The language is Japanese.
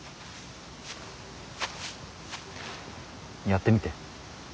やってみて。